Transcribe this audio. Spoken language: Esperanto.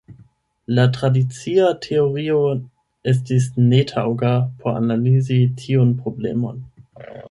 La tradicia teorio estis netaŭga por analizi tiun problemon.